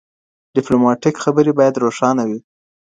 ډیپلوماټیکې خبري باید روښانه وي.